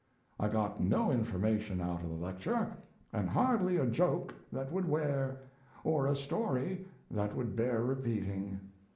I got no information out of the lecture, and hardly a joke that would wear, or a story that would bear repeating.